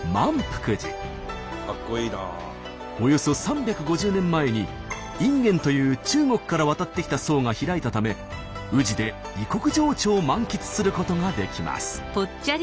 およそ３５０年前に隠元という中国から渡ってきた僧が開いたため宇治で異国情緒を満喫することができます。